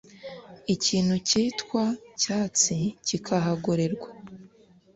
ikintu cyitwa icyatsi kikahagorerwa